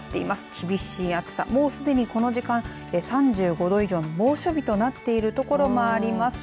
厳しい暑さ、もうすでにこの時間３５度以上の猛暑日となっているところもあります。